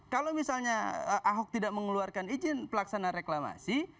kalau misalnya ahok tidak mengeluarkan izin pelaksanaan reklamasi